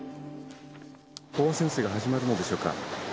飽和潜水が始まるのでしょうか。